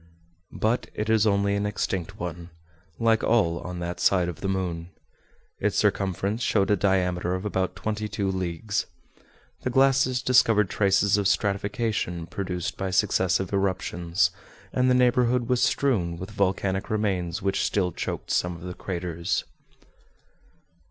But it is only an extinct one—like all on that side of the moon. Its circumference showed a diameter of about twenty two leagues. The glasses discovered traces of stratification produced by successive eruptions, and the neighborhood was strewn with volcanic remains which still choked some of the craters.